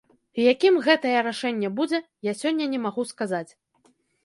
І якім гэтае рашэнне будзе, я сёння не магу сказаць.